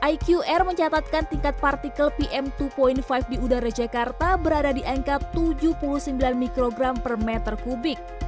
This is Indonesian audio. iqr mencatatkan tingkat partikel pm dua lima di udara jakarta berada di angka tujuh puluh sembilan mikrogram per meter kubik